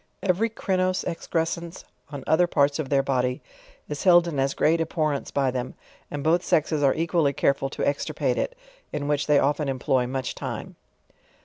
Every crinose exerescense on other parts of their body is held in as great abhorrence by them, and both sexes are equally careful to extirpate it, in which they often employ much tim'e.